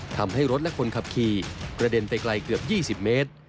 ทำให้รถและคนขับขี่กระเด็นไปไกลเกือบ๒๐เมตร